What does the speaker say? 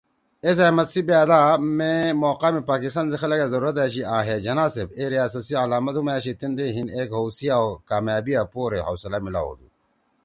ایس احمد سی بأدا مے موقع می پاکستان سی خلگائے ضرورت أشی آں ہے (جناح صیب) اے ریاست سی علامت ہُم أشی تیندے ہیِن ایک ہؤ سی او کامیابیا پورے حوصلہ میلاؤ ہؤدُود